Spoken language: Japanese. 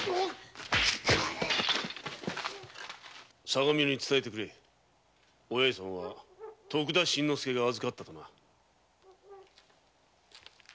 相模屋に伝えてくれお八重さんは徳田新之助が預かったとな。